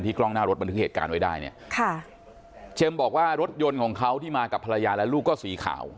กล้องหน้ารถบันทึกเหตุการณ์ไว้ได้เนี่ยค่ะเจมส์บอกว่ารถยนต์ของเขาที่มากับภรรยาและลูกก็สีขาว